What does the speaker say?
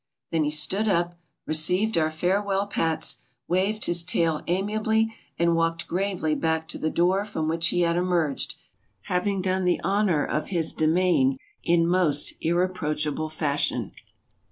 Then he stood up, received our farewell pats, waved his tail amiably, and walked gravely back to the door from which he had emerged, having done the honor of his demesne in most irreproachable fashion.